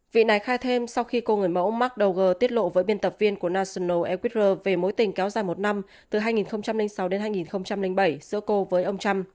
vị này khai thêm sau khi cô người mẫu mcdougal tiết lộ với biên tập viên của national equator